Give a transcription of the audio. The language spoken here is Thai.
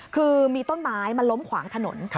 คือมีต้นไม้มาล้มขวางถนน